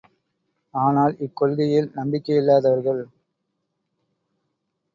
ஆனால், இக்கொள்கையில் நம்பிக்கையில்லாதவர்கள்.